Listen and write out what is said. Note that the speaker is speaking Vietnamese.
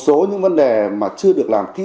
số những vấn đề mà chưa được làm kỹ